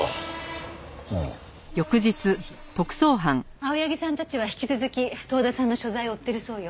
青柳さんたちは引き続き遠田さんの所在を追ってるそうよ。